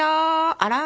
あら？